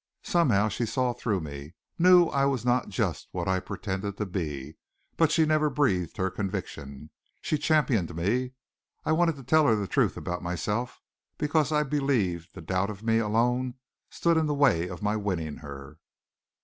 Somehow she saw through me, knew I was not just what I pretended to be. But she never breathed her conviction. She championed me. I wanted to tell her the truth about myself because I believed the doubt of me alone stood in the way of my winning her.